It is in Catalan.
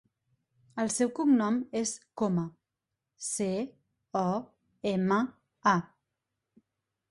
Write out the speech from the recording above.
El seu cognom és Coma: ce, o, ema, a.